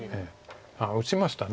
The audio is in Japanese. ああ打ちました。